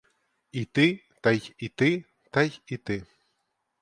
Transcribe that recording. Іти, та й іти, та й іти!